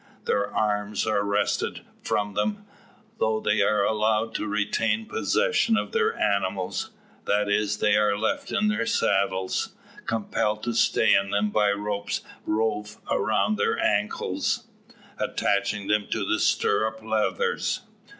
Their arms are wrested from them, though they are allowed to retain possession of their animals. That is, they are left in their saddles compelled to stay in them by ropes rove around their ankles, attaching them to the stirrup leathers.